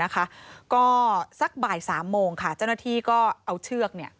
ก็สักบ่าย๓โมงค่ะเจ้าหน้าที่ก็เอาเชือก